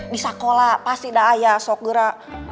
di sekolah pasti ada ya sogera